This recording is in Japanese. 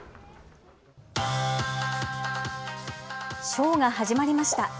ショーが始まりました。